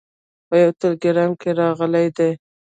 په یوه ټلګرام کې راغلي دي.